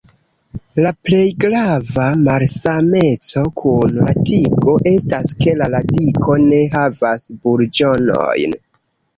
La plej grava malsameco kun la tigo estas ke la radiko ne havas burĝonojn.